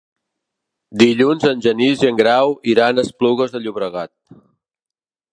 Dilluns en Genís i en Grau iran a Esplugues de Llobregat.